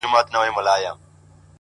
• پرتكه سپينه پاڼه وڅڅېدې ـ